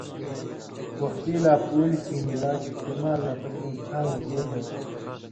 وختی لا پُولیۡ کھیں ہِلاک استمال نہ پتَیں کھانگیۡ دُور ہوتھی۔